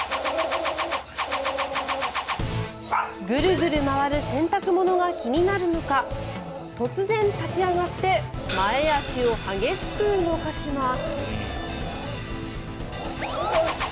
グルグル回る洗濯物が気になるのか突然立ち上がって前足を激しく動かします。